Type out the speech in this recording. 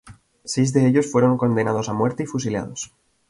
Seis de ellos fueron condenados a muerte y fusilados.